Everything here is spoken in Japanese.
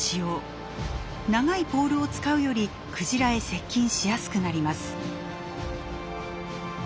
長いポールを使うよりクジラへ接近しやすくなります。